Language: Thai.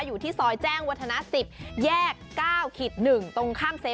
อยู่ที่ซอยแจ้งวัฒนา๑๐แยก๙๑ตรงข้ามเซฟ